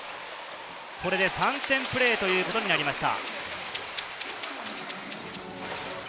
これで３点プレーということになりました。